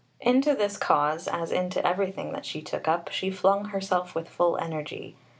Into this cause, as into everything that she took up, she flung herself with full energy.